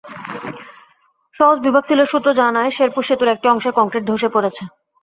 সওজ বিভাগ সিলেট সূত্রে জানা যায়, শেরপুর সেতুর একটি অংশের কংক্রিট ধসে পড়েছে।